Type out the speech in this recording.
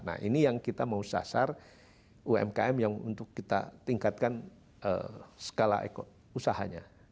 nah ini yang kita mau sasar umkm yang untuk kita tingkatkan skala usahanya